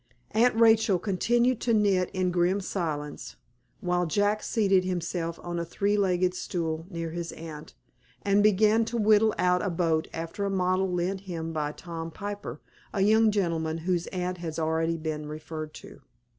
Aunt Rachel continued to knit in grim silence, while Jack seated himself on a three legged stool near his aunt, and began to whittle out a boat after a model lent him by Tom Piper, a young gentleman whose aunt has already been referred to.